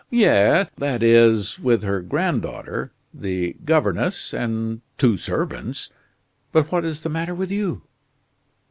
"Yes that is with her granddaughter, the governess, and two servants. But what is the matter with you?"